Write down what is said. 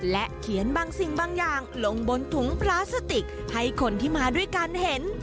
และเขียนบางสิ่งบางอย่างลงบนถุงพลาสติกให้คนที่มาด้วยกันเห็น